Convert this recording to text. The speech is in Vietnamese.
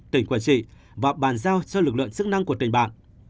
tỉnh quảng trị và bàn giao cho lực lượng sức năng của tỉnh bạn